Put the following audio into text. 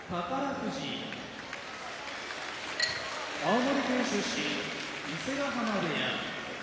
富士青森県出身伊勢ヶ濱部屋